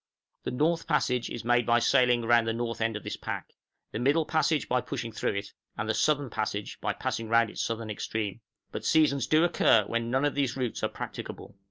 The "North Passage" is made by sailing round the north end of this pack; the "Middle Passage," by pushing through it; and the "Southern Passage," by passing round its southern extreme; but seasons do occur when none of these routes are practicable.